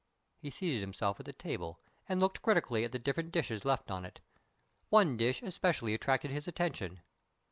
He seated himself at the table and looked critically at the different dishes left on it. One dish especially attracted his attention.